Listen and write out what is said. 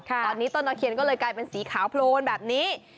ตอนนี้ต้นตะเคียนก็เลยกลายเป็นสีขาวโพลนแบบนี้